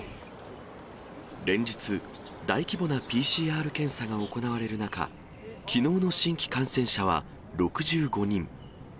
連日、大規模なＰＣＲ検査が行われる中、きのうの新規感染者は６５人。